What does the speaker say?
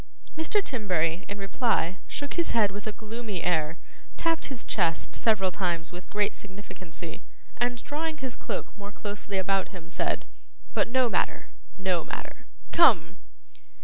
Mr. Timberry, in reply, shook his head with a gloomy air, tapped his chest several times with great significancy, and drawing his cloak more closely about him, said, 'But no matter, no matter. Come!